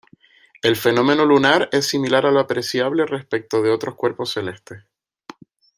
El fenómeno lunar es similar al apreciable respecto de otros cuerpos celestes.